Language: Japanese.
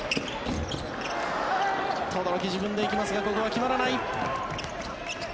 轟、自分で行きますがここは決まらない。